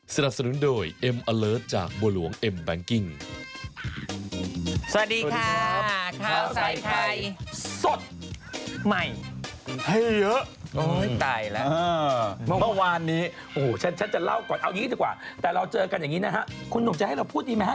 สวัสดีค่ะข้าวใส่ไทยสดใหม่